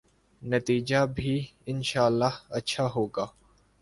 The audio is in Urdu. نتیجہ بھی انشاء اﷲ اچھا ہو گا۔